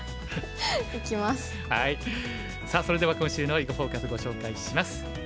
さあそれでは今週の「囲碁フォーカス」ご紹介します。